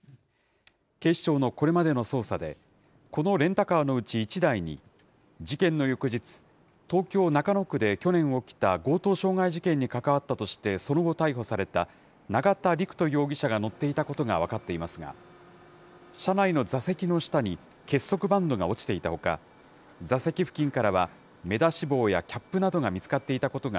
警視庁のこれまでの捜査で、このレンタカーのうち１台に、事件の翌日、東京・中野区で去年起きた強盗傷害事件に関わったとしてその後、逮捕された永田陸人容疑者が乗っていたことが分かっていますが、車内の座席の下に結束バンドが落ちていたほか、座席付近からは、目出し帽やキャップなどが見つかっていたことが、